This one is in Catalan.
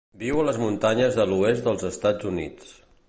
Viu a les muntanyes de l'oest dels Estats Units.